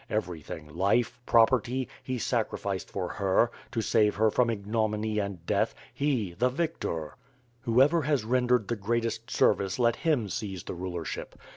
Everthing, life, prop erty, he sacrificed for her, to save her from ignominy and death — he the victor! Whoever has rendered the greatest service let him seize the rulership.